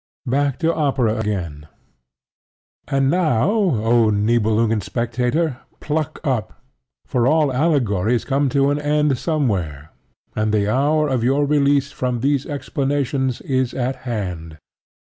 BACK TO OPERA AGAIN And now, O Nibelungen Spectator, pluck up; for all allegories come to an end somewhere; and the hour of your release from these explanations is at hand.